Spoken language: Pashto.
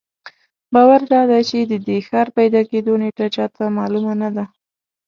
باور دادی چې د دې ښار پیدا کېدو نېټه چا ته معلومه نه ده.